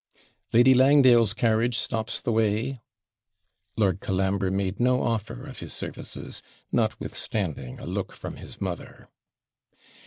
'Lady Langdale's carriage stops the way!' Lord Colambre made no offer of his services, notwithstanding a look from his mother.